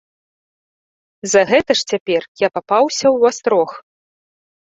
За гэта ж цяпер я папаўся ў астрог.